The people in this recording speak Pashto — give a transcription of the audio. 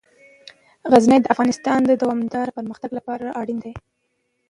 غزني د افغانستان د دوامداره پرمختګ لپاره اړین دي.